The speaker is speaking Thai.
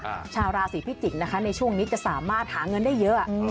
ชาวราศีพิจิกษ์นะคะในช่วงนี้จะสามารถหาเงินได้เยอะ